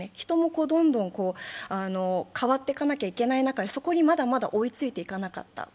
人もどんどん変わっていかなきゃいけない中で、そこにまだまだ追いついていかなかった。